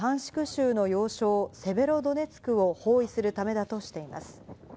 州の要衝セベロドネツクを包囲するためだとしています。